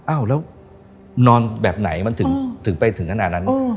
อ้าวแล้วนอนแบบไหนมันถึงไปถึงขนาดนั้น